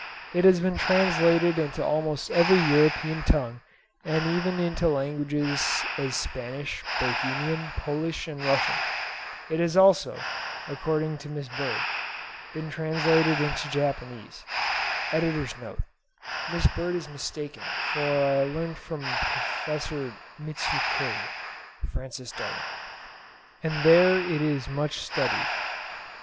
It has been translated into almost every European tongue, even into such languages as Spanish, Bohemian, Polish, and Russian. It has also, according to Miss Bird, been translated into Japanese (Miss Bird is mistaken, as I learn from Prof. Mitsukuri.—F.D.), and is there much studied.